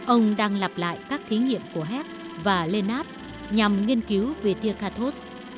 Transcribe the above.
ông đang lặp lại các thí nghiệm của hess và lennart nhằm nghiên cứu về tia kathos